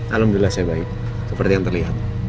alhamdulillah saya baik seperti yang terlihat